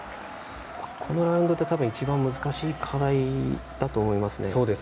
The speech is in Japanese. このラウンド一番難しい課題だと思いますね。